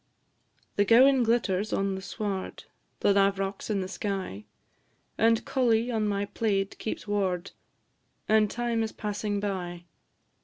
The gowan glitters on the sward, The lav'rock's in the sky, And collie on my plaid keeps ward, And time is passing by.